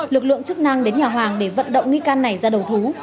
lực lượng chức năng đến nhà hoàng để vận động nghi can này ra đầu thú